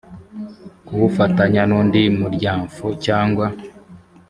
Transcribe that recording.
kuwufatanya n undi muryanfo cyangwa